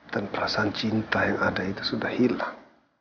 dan perasaan cinta yang ada itu sudah hilang